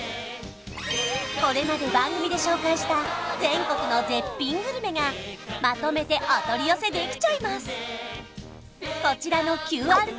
これまで番組で紹介した全国の絶品グルメがまとめてお取り寄せできちゃいます